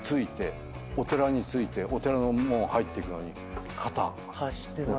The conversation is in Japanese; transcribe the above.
お寺に着いてお寺の門入っていくのに肩貸して。